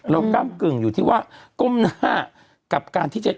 ก้ำกึ่งอยู่ที่ว่าก้มหน้ากับการที่จะ